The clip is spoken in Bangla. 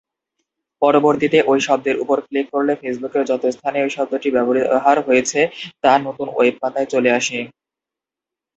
পরবর্তিতে ওই শব্দের উপর ক্লিক করলে ফেসবুকের যত স্থানে ওই শব্দটি ব্যবহার হয়েছে তা নতুন ওয়েব পাতায় চলে আসে।